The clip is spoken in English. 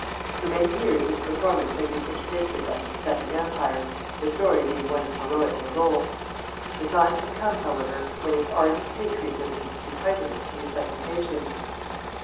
For many years its performance had been interdicted under the Second Empire, the story being one of heroic revolt. The time had come, however, when its ardent patriotism entitled it to resuscitation.